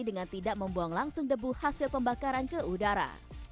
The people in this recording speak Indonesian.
dengan tidak membuang langsung debu hasil pembakaran ke udara